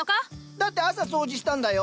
だって朝掃除したんだよ。